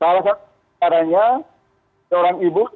salah satu caranya seorang ibu